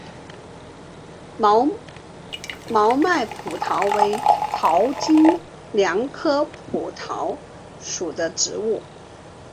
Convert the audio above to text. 毛脉蒲桃为桃金娘科蒲桃属的植物。